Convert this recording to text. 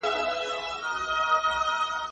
زه اوس زده کړه کوم!!